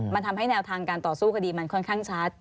มันทำให้แนวทางการต่อสู้คดีมันค่อนข้างชัด